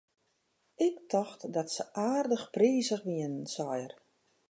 Ik tocht dat se aardich prizich wienen, sei er.